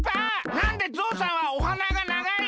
なんでゾウさんはおはながながいの？